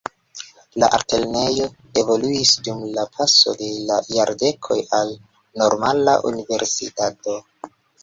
La altlernejo evoluis dum la paso de la jardekoj al normala universitato.